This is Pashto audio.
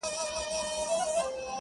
پور د محبت غيچي ده.